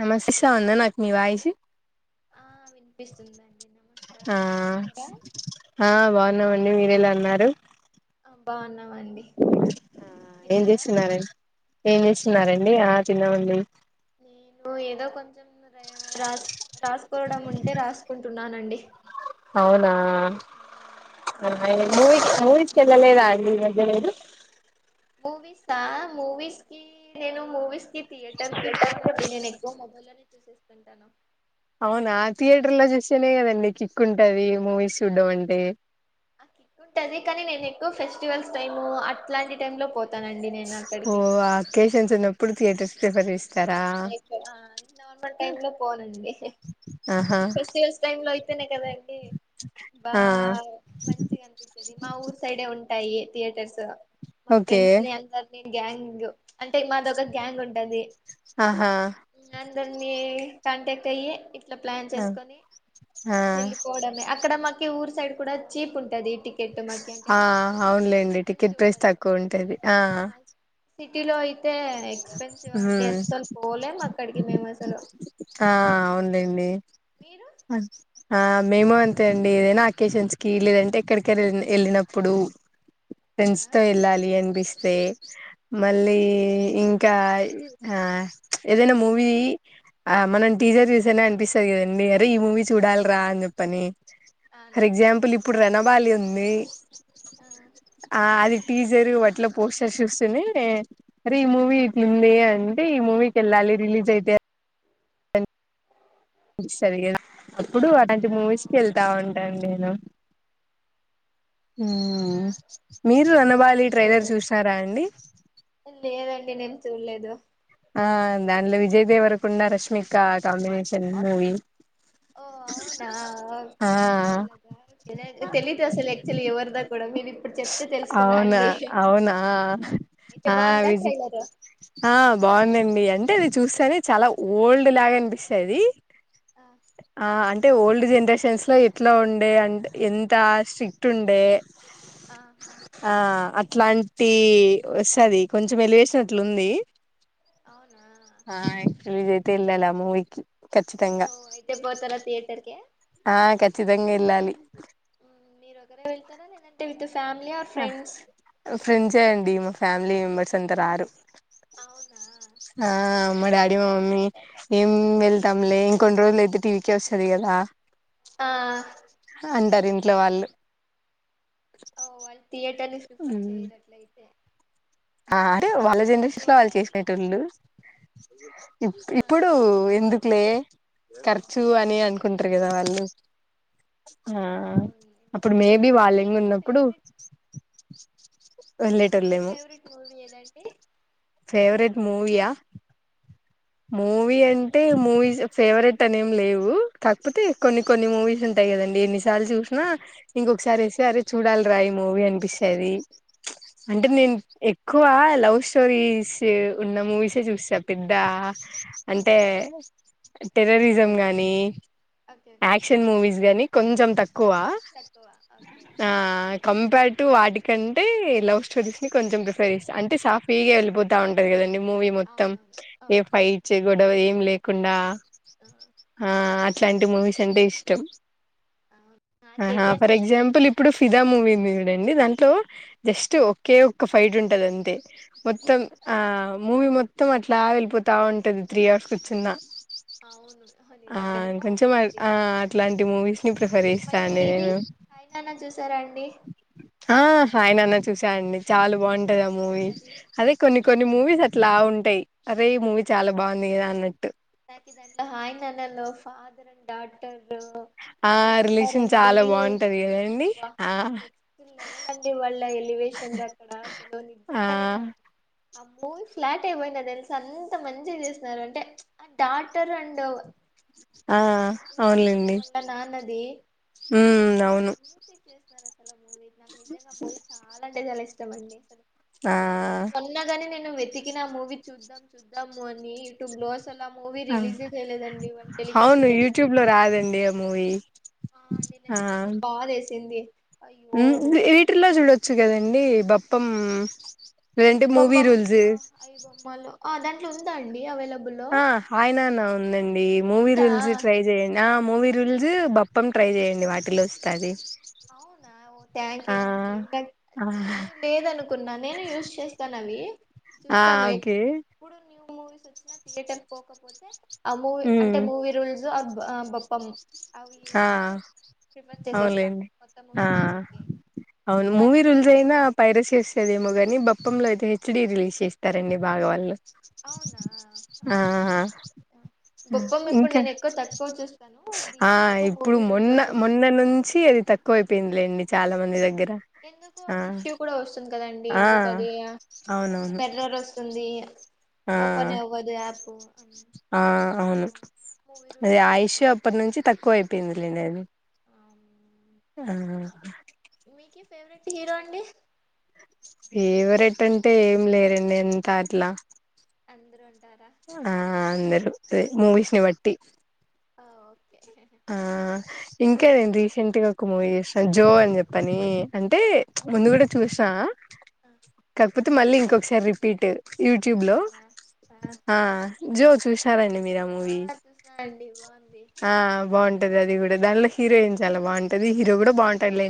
నమస్తే సా ఉందా నాకు మీ వాయిస్ ఆ వినిపిస్తోంది అండి ఆ నమస్కారం బాగున్నారా మీ మీరు ఎలా ఉన్నారు ఆ బాగున్నాం అండి ఏం తిన్నారా చేస్తున్నారండి ఏం జేస్తున్నారు అండి ఆ తిన్నాం అండి నేను ఏదో కొంచెం రాస్ రాసుకోవడం ఉంటే రాసుకుంటున్నాన్ నండి అవునా మీరండి మూవీస్ మూవీస్ కి ఎల్ తీయలేదా అండి తగలలేదు మూవీస్ కామూవీస్ కి నేను మూవీస్ కి థియేటర్ కి పోను అండి నేను ఎక్కువ మొబైల్‌లోనే చూసా చూసేస్తుంటాను అవునా థియేటర్ లో చూస్తేనే కాదా అండి కిక్ ఉంటది మూవీస్ చూడం అంటే ఆ కిక్ ఉంటది నేను ఎక్కువ ఫెస్టివల్స్ టైమ్‌లో ఓ అక్కడికి అకేషన్స్ ఉన్నప్పుడు థియేటర్స్ కి చెప్పరి ఆ లైక్ ఆ నార్మల్ టైమ్‌లో పోను అండి. ఆహా ఫెస్టివల్స్ టైమ్‌లో అయితేనే కదా అండి ఆ బాగా మంచిగా అనిపితది మా ఊరు సైడ్ ఏ హా అయి థియేటర్స్ దా మా ఓకే ఫ్రెండ్స్ నే అందరినీ గ్యాంగ్ అంటే మాది ఒక గ్యాంగ్ ఉంటది ఆహా మీరందరినీ ఇట్లాంటి తెలియే అట్లా ప్లాన్ చేసుకొని ఆ వెళ్లిపోవడమే అక్కడ మాకి ఊరు సైడు ఊ ఇక్కడ వచ్చి చీప్ ఉంటది టికెట ఆ అవునులే అండి టికెట్ ప్రైస్ ఉండదు తక్కువ ఉంటది హా ఆ సిటీలో ఐతే అయితే ఎక్స్‌పెన్సివ్ అండి ఉమ్ అస్సలు పోలేం అక్కడికి మేము అసలు హ్మ్ మీరు అ మేము అంటే అండి ఏదైనా అకేషన్స్ కి లేదంటే ఎక్కడికైనా వెళ్లినప్పుడు ఆ ఫ్రెండ్స్తో ఇల్ అలీ ఏన్ బ స ఆ మళ్ళీ ఇంగ్ ఇంకా ఏదైనా మూవీ మనం టీచర్ తీసేనే అనిపిస్తుంది కదండి అ ఈ మూవీ చూడాలిరా అని చెప్పని ఆ ఫర్ అవునవును ఎగ్జాంపుల్ ఇప్పుడు రెనబాలి ఉంది ఆ ఆ అది టీజరు వాట్లో పోస్టర్ చూస్తూనే అరే ఈ మూవీ ఇట్లుంది అంటే ఈ మూవీకి వెళ్ళాలి రిలీజ్ అయితే సరిగా అప్పుడు అలాంటి ఆ మూవీస్కి వెళ్తా అవునవును ఉంటాను నేను అవునా మీరు రణబాలి ట్రైలర్ చూసారా అండి లేదండి నేను ఎం చూడలేదు ఆ దానిలో విజయ్ దేవరకుండా రష్మిక కాంబినేషన్ మూవీ ఓ అవునా ఆ ఓకే వాళ్ద తెలీదు అసలు ఆక్చులీ ఎవర్దా కూడా మీ స్స్ అవునా అవునా అయితే ఆ బాగుందా విజి ట్రైలరు ఆ బాగుందండి అంటే అది చూస్తేనే చాలా ఓల్డ్ లాగా అనిపిస్తుది ఆ అంటే ఓల్డ్ జనరేషన్స్ లో ఎట్లా ఉండే అంటే ఎంత స్ట్రిక్ట్ ఉండే ఆహా ఆ అట్లాం టి వస్తుది కొంచెం వెలివేసినట్లుంది అవునా ఆ ఎక్చులీతే ల్లా మూవకి ఖచ్చితంగా త పోతార థిటర్ క ఆ ఖచ్చితంగా వెళ్ళాలి మీరు ఒకరే వెళ్తారా లేదంటే విత్ ఫ్యామిలీ ఆర్ ఆ ఫ్రెండ్స్ ఫ్రెండ్స్ అండి మా ఫ్యామిలీ మెంబెర్స్ అంతా రారు అవునా ఆ మా డాడీ మమ్మీ ఏం వెళ్తాంలే ఇంకొన్ని రోజులు అయితే టీవీకి వస్తుది కదా ఆ అంటారు ఇంట్లో వాళ్ళు ఓ అయి థియేటర్ ని ప్రిఫర్ చేయటట్లయితే ఆ అరే వాళ్ళ జనరేషన్ లో వాళ్ళు చేసినటోళ్ళు అ ఇ ఆ ఇప్పుడు ఎందుకులే ఖర్చు అని అం కుంటారు ఆ కదా వాళ్ళు ఉమ్ అవునులేండి అప్పుడు మేబి వాళ్ళ ఎంగ్ మీకి ఉన్నప్పుడు ఫేవరెట్ మీకి వెళ్ళేటోళ్ళలేము ఫేవరెట్ మూవీ ఎధండి ఫేవరెట్ మూవయా ఆ మూవీ ఎం టే మూవీస్ ఫేవరెట్ అనేం లేవు కాకపోతే కొన్ని కొన్ని మూవీస్ ఉంటాయి కదండి ఎన్నిసార్లు చూసినా ఇంక్గా ఒకసారి ఎస్త అర్ చూడాలిరా ఈ మూవీ అనిపిస్తుది అంటే ఆ నేను ఎక్కువ లవ్ స్టోరీస్ ఉన్న మూవీస్ చుస్తా పెద్ద అంటే టెర్రరిజం గానీ ఓకే ఓకే యాక్షన్ మూవీస్ గాని కొంచెం తక్కువ తక్కువ ఓకే అ కంపేర్ టు వాటిక అంటే లవ్ స్టోరీస్ ని కొంచెం ప్రిఫర్ చేస్తా అంటే సాఫ ఫ్రీగా వెళ్ళిపోతా ఉంటది కదండి మూవీ మొత్తం అవునవును ఏ ఓకే ఆ పైచే గొడవ ఏం లేకుండా ఆ అట్లాంటి మూవీస్ ఎంట ఇష్టం అవును హహ నాకైతే ఫర్ ఎగజాంపల్ ఇప్ ఇప్పుడు ఫిదా మూవీ ఉంది చూడండి, దాంట్లో జస్ట్ ఒకే ఒక్క ఫైట్ ఉంటంది అంతే, మొత్తం ఆ మూవీ మొత్తం అట్లా వెళ్ళిపో తా ఉంటుంది త్రీ అవర్స్ కుర్చున్నా అవును ఆ నిజంగానే కొంచం బాగుంది అది ఆ అట్లాంటి మూవీస్ ని ప్రిఫర్ చేస్తా మళ్ళీ అండి ఇది నేను హాయ్ నాన్న చూసారా అండి ఆ ఫైన్ అనొచ్చు. చూసాయండి చాలా బాగుం టాది ఆ మూవీ అది అదే కొన్ని కొన్ని మూవీస్ అ ట్లా ఉంటాయి అదే ఈ మూవీ నాకి చాలా బాగుంది కదా అన్నట్టు లో ఫాదర్ అండ్ డాటర్ ఆ [unintelligible] రిలేషన్ ఉంటారండి చాలా బాగుంటది కదండి బా ఆ నెక్స్ట్ లెవెల్ అండి వాళ్ళ ఎలివేషన్ అక్కడ అసలు ఆ నిజంగానే. ఆ మూవీకి ఫ్లాట్ అయివోయినా దెల్స్ అంత మంచిగా చేస్నారు అంటే ఆ డాటర్ అండ్ ఆ ఉంటది కదా అవునులేండి వాళ్ళ నాన్నది ఉమ్ ఎంత అవును మంచిగా చేసినారు అస్ హలో మూవీ నాకు నిజంగా మూవీ చాలా అంటే చాల ఇష్ టమండి ఆ మొన్నగాని నేను వెతి కినా మూవీ చూద్దాం చూద్దాము అని యూట్యూబ్ లో సలు ఆ మూవీ రిలీజే చేయలేదు అండి వాళ్ళు టెలికాస్ట్ జే ట్యూబ్ లో రాదండి ఆ మూవీ ఆ అండి నేను నిజంగా బాధేసింది మ్ వీటిల్లో చూడొచ్చు కదే డి బప్పం లేదంటే మూవీ బొపం రూల్స్ అ ఐ బొమ్మాలో ఉంద అండి అవలబ ఆ హాయనానా ఉందండి మూవీ ఉందా రూల్స్ ట్రై చేయడి మూవీ రూల్స్ బప్పం ట్రై చేయండి వాటిలో వస్తాది అవునా ఓ థ్యాంక్ యూ అండి బట్ ఆ నేను లేదనుకున్నా నేను యూస్ చేస్తాను అవి ఆ! చూస్తాను ఓకే ఎప్పుడు మూవిస్ వచ్చిన తీయేటర్ పోకపోతే ఆ మూవీ ఉమ్ అంటే మూవీ రూల్స్ బప్పమ్ అవి ఈ ఆ రెండు ప్రిఫర్ చేసేస్తా అవునులేండి కొత్త ఆ మూవీస్ చూసేకి అవును కానీ మూవి రూల్స్ ఇప్పుడు లో అయినా పైరసీ వస్తాదేమో గాని బెప్పం రపంలో అయితే హెచ్డీ రిలీజ్ చేస్తారండి బాగావాళ్ళు అవునా ఆహా, ఆ ఓకే ఆ, బొప్పం ఇప్పుడు ఇంకా నేను ఎక్కువ తక్కువ చూస్తాను ఇది ఆ ఎక్కువ ఇప్పుడు మూవీ రూల్స్ లో మొన్న చూస్తాను మొన్న నుంచి అది తక్కువై పినలేండి ఆ ఎందుకు అది ఇష్యూ కూడా వస్తుంది కదండి ఆ ఎందుకు అది కొంచెం అవునవును ఎర్రర్ వస్తుంది ఆ ఓపెన్ అవ్వదు యాప్ అ ఆ అవును మూవీ అది రూల్సే ఆయుష్ చూస్తాం అప్పటి నుంచి తక్కువ అయిపోయిందిండి అది ఆ మీకే ఫేవరెట్ హీరో అండి ఎవరెట్ అంటే ఏం లేరండి ఎంత అట్లా అందరూ అ ఆ అందరూ అదే మూవీస్ ని బట్టి ఓకే ఆ ఇంకా ఓకే నేను రీసెంట్ గా ఒక మూవీ చేూసినా జో అని చెప్పని అంటే ముందు కూడా చూసిన కాకపోతే మళ్ళీ ఇంకొకసారి రిపీట్ యూట్యూబ్ లో అవునా జో చూస సరే అండి మీరా మూవీ ఆ చూసిన అండి బాగుంది ఆ బాగుంటది అది కూడా దానిలో హీరోయిన్ చాలా బాగుంటది హీరో కూడా బాగుంటాయిలే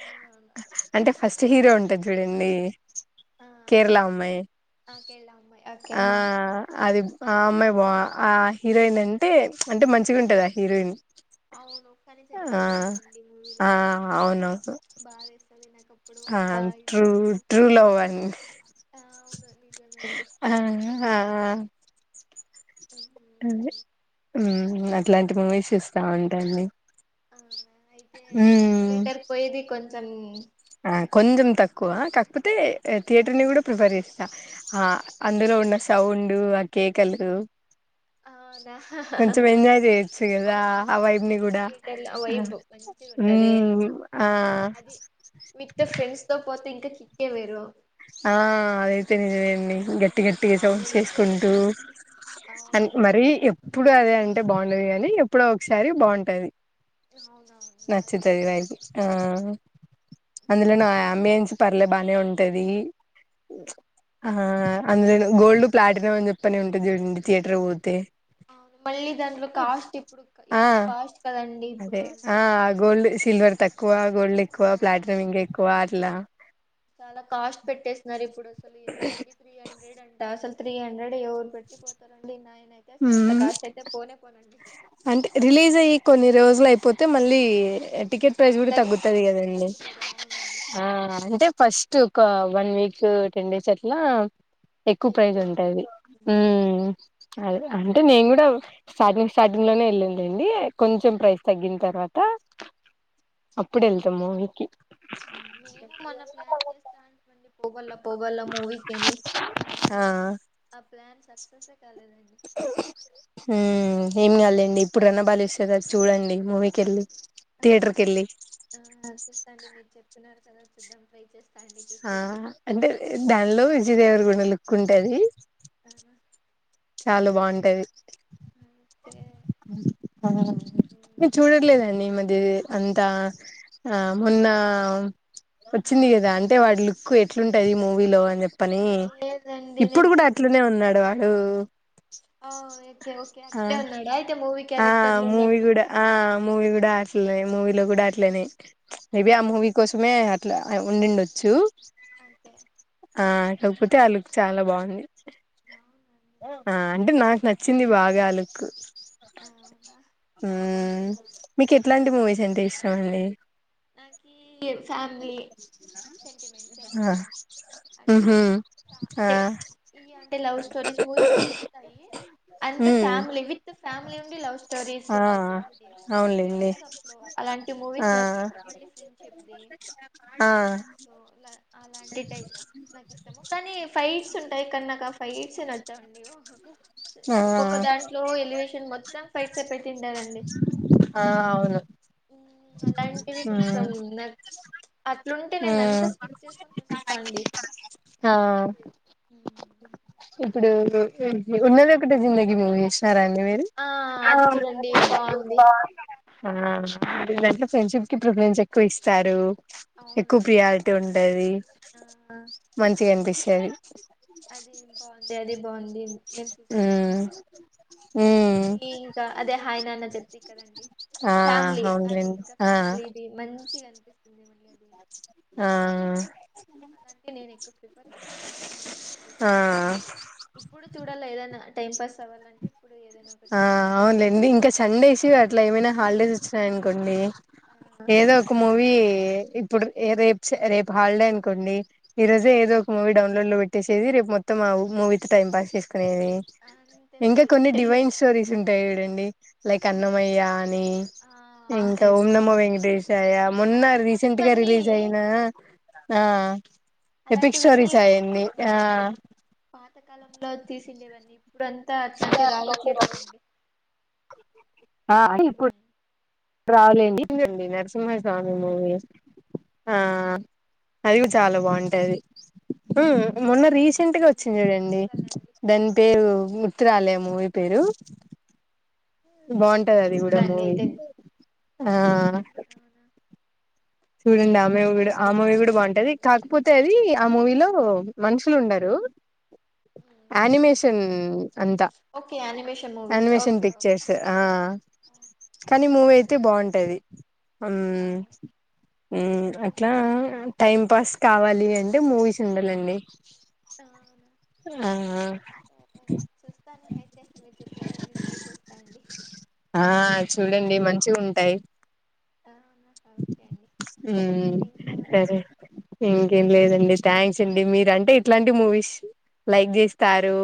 అవునవును అంటే ఫస్ట్ హీరో ఉంటా ద్ద చూడండి ఆ కేరళ అమ్మాయి ఆ, కేరళ అమ్మాయి ఓకే ఆ అది ఆ అమ్మాయి వా ఆ హీరోయిన్ అంటే అంటే మంచిగా ఉంటదా ఆ హీరోయిన్ అవును కాని ఆ చనిపోతుంది కదండి మూవీలో ఆ పాపం అవునవును బాధ వేస్త వినాక ఆ ట్రూ ట్రూ లో అవ్వండి ఆ అవును నిజమే అండి ఆ అ అట్లాంటి మూవీస్ ఇస్తా ఉంటాండి ఆనా ఇద మ్మ్ యేటర్ పోయిది కొంచం సన్ని ఆ కొంచెం తక్ క్కు కాకపోతే దట్ థియేటర్ ని కూడా ప్రిపేర్ చేస్తా అందులో ఉన్న సౌండు ఆ కేకలు అవునా కొంచెం ఎంజాయ్ చేయొచ్చు కదా ఆ అవునవును వైపుని కూడా థియేటర్ లో వైబ్ మంచిగా ఉంటది ఆ వితే ఫ్రెడ్స్తో పోతే ఇంకా కే వరు ఆ అదైతేనేజన్ని గట్టి ఉమ్, గట్టిగా చ చేేష కొడు అం అవును మరి ఇప్పుడు అదే అంటే బాగుంటది కాగానీ ఎప్పుడో ఒకసారి బాగుంటది అవునవును అది నిజమే నచ్చత్రదివాయికి ఆ అందులో నా ఉమ్, అబంచి పర్లే బానే ఉంటది ఆ అందులోను గోల్డ్ ప్లాటినమ్ అని చెప్పనే ఉంటుది చూడండి థియేటర్ పోతే అవును మళ్ళీ దాంట్లో కాస్ట్ ఇప్పుడు ఆ ఎక్కువ కాస్ట్ కదండి ఇప్పుడు అదే అంటే ఆ ఇంకా గోల్డ్ సిల్వర్ తక్కువ గోల్డ్ ఆ ఎక్కువ ప్లాటిన ఇంకా ఎక్కువ అట్లా చాలా కాస్ట్ పెట్టేస్తున్నారు ఇప్పుడు అసలు ఎంతండి త్రీ హండ్రెడ్ అంట అసలు త్రీ హండ్రెడ్ పెట్టిపోతారండి నాయన అయితే అసలు అంత మ్మ్ కాష్టట్ అయితే పోనే పోనండి అంటే రిలీజ్ అయ్యి కొన్ని రోజులు అయిపోతే మళ్ళీ టికెట్ ఆ ప్రైస్ కూడా తగ్గు తగ్గుతుది కదండి తగ్గుతది అవునండి అంటే ఫస్ట్ ఒక వన్ వీక్ టెన్ డేస్ అట్లా ఎక్కువ ప్రైజ్ ఉంటాది ఉ ఉమ్. అదే అంటే నేను కూడా సాధ స్టార్టింగ్ లోనే వెళ్ళిందండి కొంచెం ప్రైస్ తగ్గిన తర్వాత అప్పుడు ఆ వెళ్తాం మూవీకి మేము మొన్న ప్లాన్ చేస్తాండి పోగళ పోగల మూవీ తని కానీ ఆ ఆ ప్లాన్ సక్సెస్సే కాలేదండి ఏం కాదులేండి ఇప్పుడున్నా బాలస్తరాజ్ చూడండి మూవీకెళ్లి అవునా ఆ చూస్తాండి మీరు చెప్తున్నారు. చాలా చూద్దాం ట్రై చేస్త ఆ అంటే దానిలో విజయ దేవర్ కూడా ఓ లుక్కుంటదీ. అవునా చాలా బాగుంటది. ఓకే ను చూడట్లేదండి ఈ మధ్య అంతా ఆ మొన్నా వచ్చింది గదా అంటే వాడి లుక్ ఎట్లుంటది మూవీలో అని. చెప్పనీ లేదండి ఇప్పుడు నేను గూడా అట్లనే చూడలేదు ఉన్నాడు వాడూ. ఆ ఓకే ఓకే ఆ అట్లే ఉన్నాడా అయితే మూవీ ఆ క్యారెక్టర్లు మూవి ఉన్నట్టే ఇప్పుడు. కూడా ఆ మూవి కూడా ఆ అట్లే మూవీలో కూడా అట్లనే. ప్చ్ ఇవీ ఆ అవునా మూవీ కోసమే అట్ అట్లా ఉండిండొచ్చూ. అంతే ఆ కాకపోతే ఆ లుక్ చాలా బాగుంది. అవునండి ఆ అంటే నాకు నచ్చింది బాగా ఆ లుక్కు. అవునా ఆ, ఉమ్ మీకు ఎట్లాంటి మూవీస్ అంటే ఇస్ మండి. నాకీ ఫ్యామిలీ ప్చ్ సెంటిమెంట్స్, ఆ ఎమోషన్ అండ్ మ్హూ ఆ అంటే ఈ అంటే లవ్ స్టోరీస్ మూవీస్ నచ్చుతాయి. And hmm family with family ఉండి లవ్ స్టోరీస్ ఆ ఉంటాయి చూడండి అవునులేండి మిక్సప్లో అలాంటి ఆ మూవీస్ నాకు ఇష్ట ఆ సో అలాంటి టై నాకు ఇష్టము. కానీ ఫైట్స్ ఉంటాయి ఇక్కడ నాకు ఆ ఫైట్స్ నచ్చవండి. ఆ ఒక్కొక్క దాంట్లో ఎలివేషన్ మొత్తం ఫైట్సే పెట్టింటారండి ఆ అవును ఉమ్ అలా మ్మ్ కొంచెం న అట్లుంటే నేను అంతా మ్మ్ స్కిప్ చేసుకొని చూసేస్తా అండి. ఆ ఉమ్ ఇప్పుడూ ఉన్నది ఒకటే జిందగి మూవీ చూశినారా అండి. మూవేది ఆ అది చూడండి బాగుంది ఆ [inaudible] దాంట్లో ఫ్రెండ్షిప్ కీ ప్రిఫరెన్స్ ఎక్కువ ఇస్త స్తారూ అవును ఎక్కువ ప్రయారిట ఉండది. ఆ మంచిగ అనిపిస్ స్తదీ. అది బాగుంది అది బాగుంది నేను చూసది కా ఉమ్ ఉమ్ మళ్ళీ ఇంకా అదే హాయ్ నాన్న చెప్తి కదండి, ఆ ఫ్యామిలీ అది అవునులేండి ఇంకా ఆ ఫ్యామిలీది మంచిగాం ఆ అలాగె నేన్ ఎకువ ప్రిఫర్ చేస్తా ఆ ఇప్పుడు చూడాలి ఏదన్నా టైం పాస్ అవ్వాలంటే ఇప్పుడు ఏదైనా ఒకటి ఆ పెట్టుకొని అవునులేండి ఇంకా సండేస్ అట్లా ఏమైనా హాలిడేస్ వచ్చినాయనుకోండి ఆ ఏదో ఒక మూవి ఇప్పుడు రే రేపు హాలిడే అనుకోండి, ఈ రోజే ఏదో ఒక మూవీ డౌన్లోడ్ లో పెట్టేసేది, రేపు మొత్తం మా మూవీతో టైం పాస్ చేసు మ్ అంతే ఇంకా మరి కొన్ని డివైన్ స్టోరీస్ ఉంటాయి చుడండి లైక్ అవును అన్నమయ్య అని, ఆ ఇంకా ఎస్ ఓంనమ్మ వెంకటేశయ్య మొన్న రీసెంట్ గా అలాంటివన్నీ రిలీజ్ అయినా ఆ ఎపిక్ అలాంటివన్నీ స్టోరీస్ పాత అయన్ని ఆ పాతకాలంలో తీసిండేవన్నీ ఇప్పుడుంతా అట్లాంటివి రావట్లేదు కదండి అ ఇప్పుడు హ్మ్ రవలేండిండి న ఆ [unintelligible] మూవీ ఆ ఫైవ్ చాలా అవునా బాగుంటాది హ మొన్న రీసెంట్ గా అవునా వచ్చింది చూడండి చూడాలండి దాని పేరు చిత్రాలేమూ ఈ పేరు ఆ, బాగుంటది ఓకే అది కూడా చూస్తాండి మూవీ అయితే ఆ ఉమ్, అవునా చూడండి చూస్తా ఆమె చూస్తాండి. ఆ అన్ని మూవీ కూడా చూస్తా బాగుంటది అండి కాకపోతే అది ఆ మూవీలో మనుషులు ఉండరు యానిమేషన్ అంతా, okay animation movies animation okay okay pictures ఆ, కానీ మూవీ అయితే చూస్తా బాగుంటది మ్ అవునా మ్ సరే అట్లా అండి అయితే టైం చూస్తా పాస్ కావాలి అం మూవీస్ ఉండాలండి అవునా ఆ అండి చూస్తాను అయితే మీరు చెప్పిండే వని ట్రై చేస్తానండి ఆ చూడండి ఓకే మంచిగా ఉంటాయి అవునా ఓకే అండి మరి ఇంకేమండి సరే ఇంకేం లేదండి ఓ థ్యాంక్స్ అండి మీరు అంటే ఇట్లాంటి మూవీస్ లైక్ చేస్తారు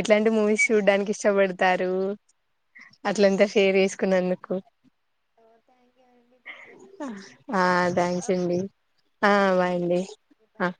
ఎట్లాంటి మూవీస్ ఆహా చూడ్డానికి ఇష్టపడతారు అట్లంతా షేర్ చేస్ కు నందుకు ఓకే ఆ థ్యాంక్స్ అండి ఓకే ఆ బాయ్ ఓకే అండి బాయ్ ఆ